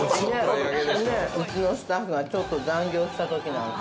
うちのスタッフがちょっと残業したときなんか。